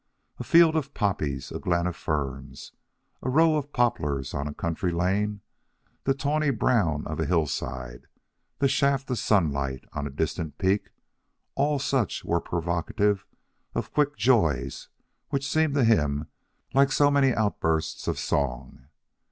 A field of poppies, a glen of ferns, a row of poplars on a country lane, the tawny brown of a hillside, the shaft of sunlight on a distant peak all such were provocative of quick joys which seemed to him like so many outbursts of song.